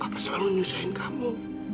bapak selalu nyusahin kamu